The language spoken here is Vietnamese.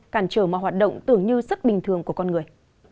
cản trở mọi hoạt động tưởng như rất bình thường của con người